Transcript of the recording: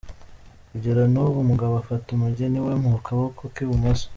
Kugera n’ubu umugabo afata umugeni we mu kaboko k’ibumoso.